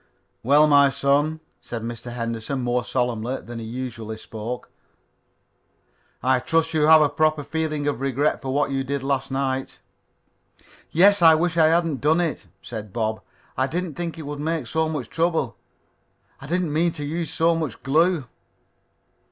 "Well, my son," said Mr. Henderson, more solemnly than he usually spoke, "I trust you have a proper feeling of regret for what you did last night." "Yes. I wish I hadn't done it," said Bob. "I didn't think it would make so much trouble. I didn't mean to use so much glue."